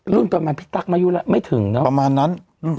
รุ่นต่อมาพี่ตั๊กมายุราชไม่ถึงเนอะประมาณนั้นอืม